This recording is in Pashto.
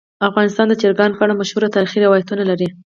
افغانستان د چرګانو په اړه مشهور تاریخی روایتونه لري.